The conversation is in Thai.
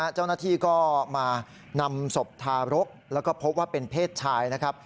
เจ้าหน้าที่ก็มานำศพทารกแล้วก็พบว่าเป็นเพศชายนะครับ